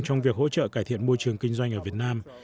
trong việc hỗ trợ cải thiện môi trường kinh doanh ở việt nam